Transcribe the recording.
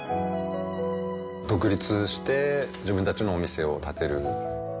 独立して自分たちのお店を建てる。